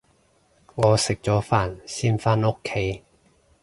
我食咗飯先返屋企